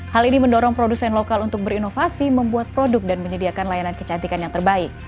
hal ini mendorong produsen lokal untuk berinovasi membuat produk dan menyediakan layanan kecantikan yang terbaik